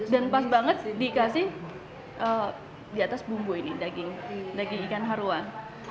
dan pas banget dikasih di atas bumbu ini daging ikan haruan